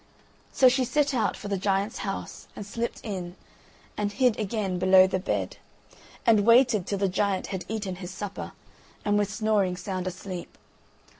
So she set out for the giant's house, and slipped in, and hid again below the bed, and waited till the giant had eaten his supper, and was snoring sound asleep.